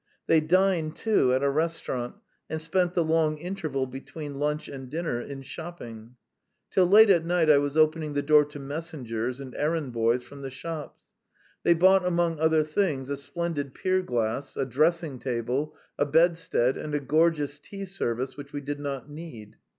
They dined, too, at a restaurant, and spent the long interval between lunch and dinner in shopping. Till late at night I was opening the door to messengers and errand boys from the shops. They bought, among other things, a splendid pier glass, a dressing table, a bedstead, and a gorgeous tea service which we did not need.